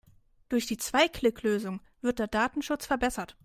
Durch die Zwei-Klick-Lösung wird der Datenschutz verbessert.